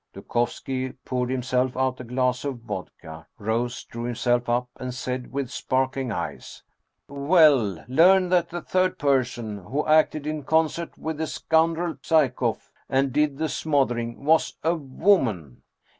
Du kovski poured himself out a glass of vodka, rose, drew him self up, and said, with sparkling eyes :" Well, learn that the third person, who acted in concert with that scoundrel Psyekoff, and did the smothering, was a woman